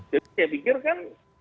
jadi saya pikir kan